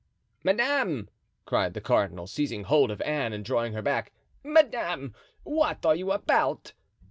"Madame," cried the cardinal, seizing hold of Anne and drawing her back, "Madame, what are you about?"